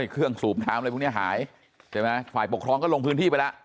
เครื่องสูบน้ำอะไรพวกนี้หายใช่ไหมฝ่ายปกครองก็ลงพื้นที่ไปแล้ว